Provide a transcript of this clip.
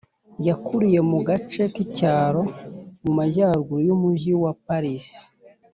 yakuriye mu gace k’icyaro mu majyaruguru y’umugi wa paris